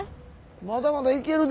まだまだ行けるで。